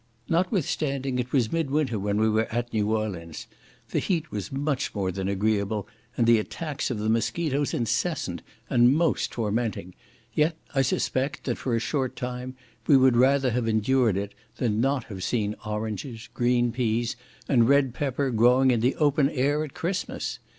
Notwithstanding it was mid winter when we were at New Orleans, the heat was much more than agreeable, and the attacks of the mosquitos incessant, and most tormenting; yet I suspect that, for a short time, we would rather have endured it, than not have seen oranges, green peas, and red pepper, growing in the open air at Christmas.